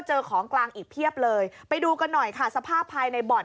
ของกลางอีกเพียบเลยไปดูกันหน่อยค่ะสภาพภายในบ่อน